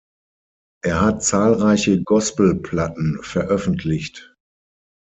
Er hat zahlreiche Gospel-Platten veröffentlicht.